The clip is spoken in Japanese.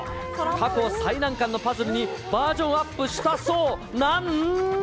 過去最難関のパズルにバージョンアップしたそうなん。